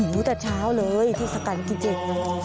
หิวแต่เช้าเลยที่สกัญกิจิต